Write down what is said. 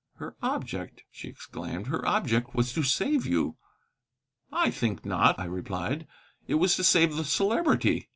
"Her object!" she exclaimed. "Her object was to save you." "I think not," I replied; "it was to save the Celebrity."